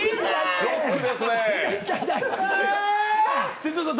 哲夫さん